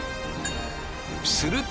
すると。